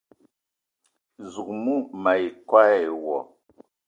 Zouk mou ma yi koo e wo